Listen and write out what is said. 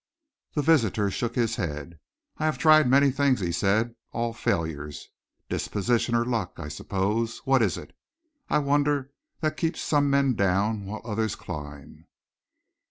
The visitor shook his head. "I have tried many things," he said; "all failures, disposition or luck, I suppose. What is it, I wonder, that keeps some men down while others climb?"